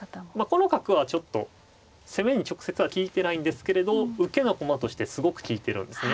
この角はちょっと攻めに直接は利いてないんですけれど受けの駒としてすごく利いてるんですね。